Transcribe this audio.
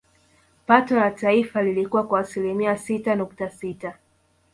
Pato la taifa lilikua kwa asilimia sita nukta sita